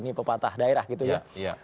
ini pepatah daerah gitu ya